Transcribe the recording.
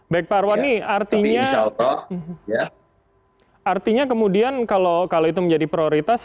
baik pak arwani artinya kemudian kalau itu menjadi prioritas